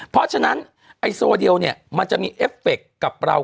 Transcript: เพราะฉะนั้นไอ้โซเดียวเนี่ยมันจะมีเอฟเฟคกับเรา